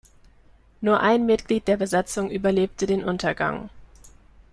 Nur ein Mitglied der Besatzung überlebte den Untergang.